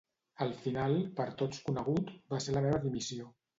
El final, per tots conegut, va ser la meva dimissió.